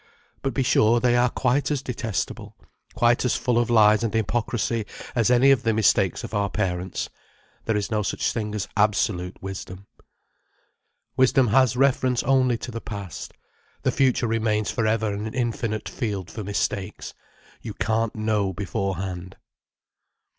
But be sure they are quite as detestable, quite as full of lies and hypocrisy, as any of the mistakes of our parents. There is no such thing as absolute wisdom. Wisdom has reference only to the past. The future remains for ever an infinite field for mistakes. You can't know beforehand.